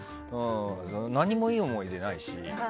何もいい思い出ないし。